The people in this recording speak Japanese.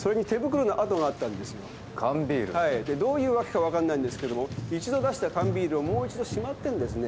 でどういう訳か分かんないんですけども一度出した缶ビールをもう一度しまってんですね。